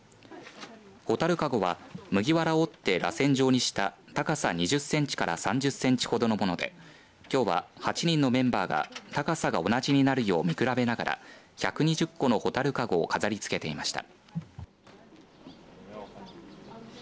蛍かごは麦わらを折ってらせん状にした高さ２０センチから３０センチほどのものできょうは８人のメンバーが高さが同じになるよう見比べながら１２０個の蛍かごを飾りつけていました。